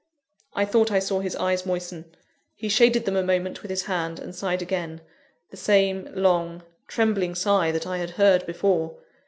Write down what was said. I thought I saw his eyes moisten. He shaded them a moment with his hand, and sighed again the same long, trembling sigh that I had heard before.